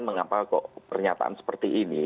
mengapa kok pernyataan seperti ini